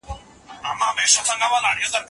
تاسو پوښتنه وکړئ چې د دې پدیدې علت څه دی.